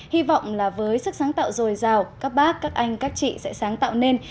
hy vọng là với sức sáng tạo dồi dào các bác các anh các chị sẽ sáng tạo nên